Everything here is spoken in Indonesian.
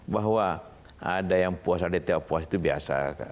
bahwa ada yang puas ada yang tidak puas itu biasa